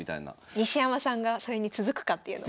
西山さんがそれに続くかっていうのも。